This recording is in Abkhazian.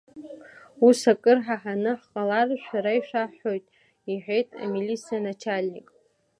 Ус акыр ҳаҳаны ҳҟалар, шәара ишәаҳҳәоит, — иҳәеит амилициа аначальник.